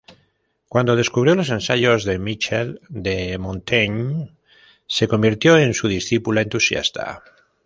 Cuando descubrió los ensayos de Michel de Montaigne se convirtió en su discípula entusiasta.